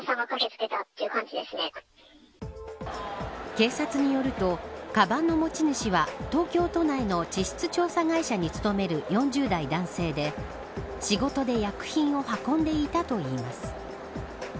警察によるとかばんの持ち主は、東京都内の地質調査会社に勤める４０代男性で仕事で薬品を運んでいたといいます。